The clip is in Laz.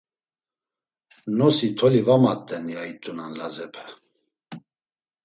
“Nosi toli va mat̆en.” ya it̆unan Lazepe.